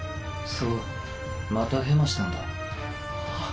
そうまたヘマしたんだ。っ！